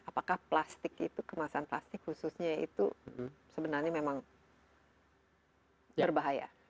apakah plastik itu kemasan plastik khususnya itu sebenarnya memang berbahaya